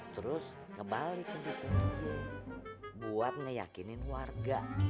terus ngebalik ngedukung dia buat ngeyakinin warga